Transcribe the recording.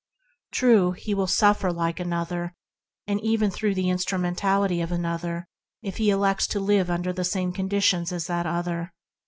True, he will suffer like another and even through the instrumentality of another, if he elects to live under the same conditions as that other.